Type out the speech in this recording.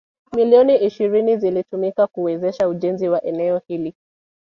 Milioni ishirini zilitumika kuwezesha ujenzi wa eneo hili.